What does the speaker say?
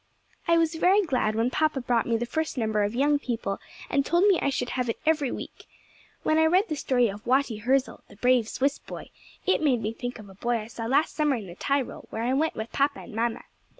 ] I was very glad when papa brought me the first number of Young People, and told me I should have it every week. When I read the story of Watty Hirzel, the brave Swiss boy, it made me think of a boy I saw last summer in the Tyrol, where I went with papa and mamma.